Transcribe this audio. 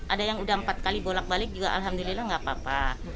ada yang udah empat kali bolak balik juga alhamdulillah nggak apa apa